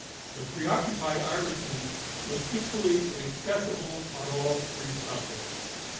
The preoccupied Irishman was equally inaccessible on all three subjects.